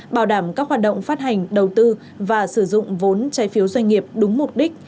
bảo đảm các hoạt động phát hành đầu tư và sử dụng vốn trái phiếu doanh nghiệp đúng mục đích